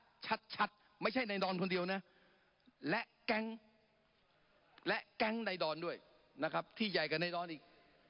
หลังชาติชัดไม่ใช่ในดอนคนเดียวและแก๊งและแก๊งในดอนด้วยที่ใหญ่กับในดอนอีก